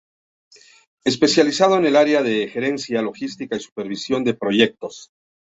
Especializado en el área de Gerencia, Logística y Supervisión de Proyectos.